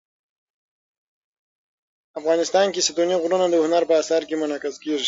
افغانستان کې ستوني غرونه د هنر په اثار کې منعکس کېږي.